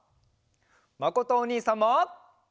まことおにいさんも！